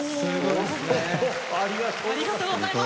ありがとうございます。